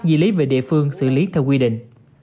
di lý về địa phương xử lý theo quy định